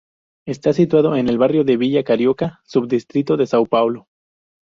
Está situada en el barrio de Vila Carioca, subdistrito de São Paulo.